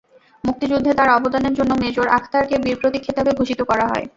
মুক্তিযুদ্ধে তাঁর অবদানের জন্য মেজর আখতারকে বীর প্রতীক খেতাবে ভূষিত করা হয়।